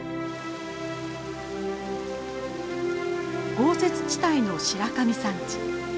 豪雪地帯の白神山地。